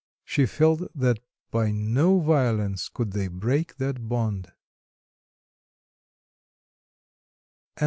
She felt that by no violence could they break that bond.